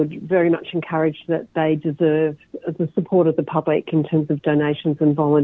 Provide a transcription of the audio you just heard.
dan kita sangat berharap mereka memperoleh dukungan dari publik dalam hal donasi dan pemohonan